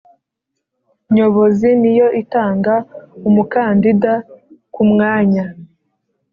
Nyobozi niyo itanga umukandida ku mwanya